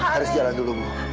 haris jalan dulu bu